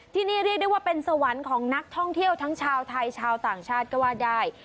ที่นี่เรียกได้ว่าเป็นสวรรค์ของนักท่องเที่ยวทั้งชาวไทยชาวต่างชาติก็ว่าได้